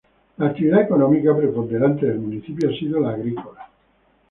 La actividad económica preponderante del municipio ha sido la agrícola.